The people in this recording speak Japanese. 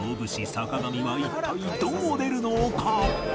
坂上は一体どう出るのか？